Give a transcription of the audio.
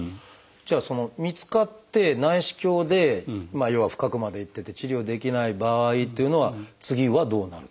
じゃあ見つかって内視鏡で要は深くまでいってて治療できない場合というのは次はどうなるってことになりますか？